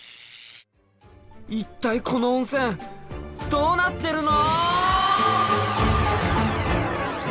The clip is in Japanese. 一体この温泉どうなってるの！